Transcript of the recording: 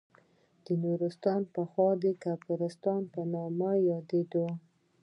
نورستان پخوا د کافرستان په نوم یادیده